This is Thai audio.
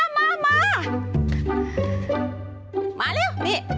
มาเร็วนี่